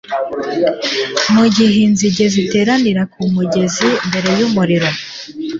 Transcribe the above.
Mugihe inzige ziteranira kumugezi mbere yumuriro